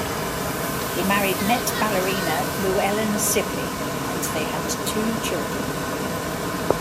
He married Met ballerina Louellen Sibley and they had two children.